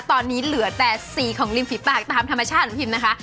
ตอนนี้เหลือแต่สีของริมฝีปากตามธรรมชาติของพิมนะคะ